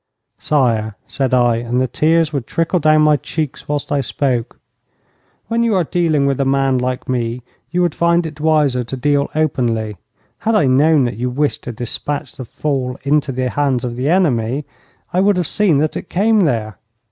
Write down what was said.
'Sire,' said I, and the tears would trickle down my cheeks whilst I spoke, 'when you are dealing with a man like me you would find it wiser to deal openly. Had I known that you had wished the despatch to fall into the hands of the enemy, I would have seen that it came there.